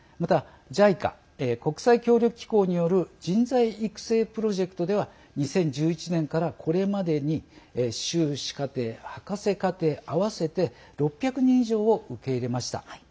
またＪＩＣＡ＝国際協力機構による人材育成プロジェクトでは２０１１年からこれまでに修士課程、博士課程合わせて６００人以上を受け入れました。